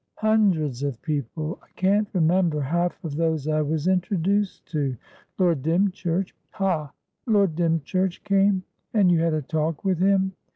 "Hundreds of people! I can't remember half of those I was introduced to. Lord Dymchurch" "Ha! Lord Dymchurch came? And you had a talk with him?"